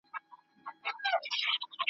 تر څو چي واک وي د ابوجهل `